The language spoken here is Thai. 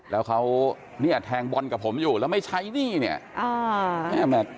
แล้วเค้าแทงบอลกับผมอยู่แล้วให้ใช้พนักงานแล้วอย่านี้เนี่ย